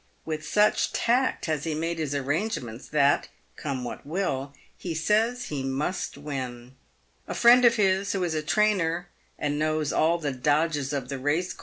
"With such tact has he made his arrangements, that, come what will, he says he must win. A friend of his, who is a trainer, and knows all the " dodges" of the PAVED WITH GOLD.